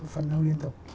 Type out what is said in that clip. phấn đấu liên tục